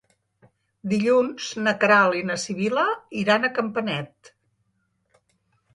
Dilluns na Queralt i na Sibil·la iran a Campanet.